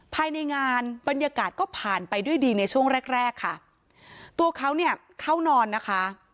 ภายในงานบรรยากาศก็ผ่านไปด้วยดีในช่วงแรกแรกค่ะตัวเขาเนี่ยเข้านอนนะคะ